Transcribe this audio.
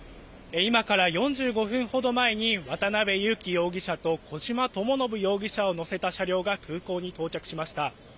今から４５分ほど前に渡邉優樹容疑者と小島智信容疑者を乗せた車両が空港に到着しました。